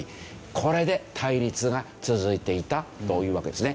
これで対立が続いていたというわけですね。